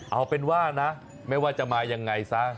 เอาเป็นว่านะไม่ว่าจะมายังไงซะ